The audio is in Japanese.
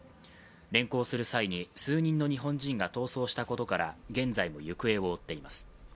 連行する際に数人の日本人が逃走したことから現在も行方を追っています。